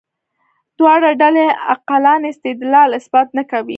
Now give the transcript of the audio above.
دواړه ډلې عقلاني استدلال اثبات نه کوي.